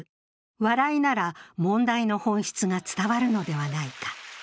笑いなら問題の本質が伝わるのではないか。